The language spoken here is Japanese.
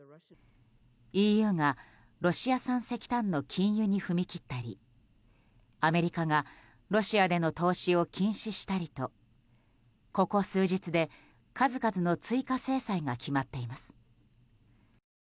ＥＵがロシア産石炭の禁輸に踏み切ったりアメリカがロシアでの投資を禁止したりとここ数日で数々の追加制裁が決まっています。